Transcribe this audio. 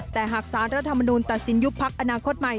แต่หากสารรัฐมนุนตัดสินยุบพักอนาคตใหม่